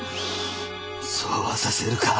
そうはさせるか。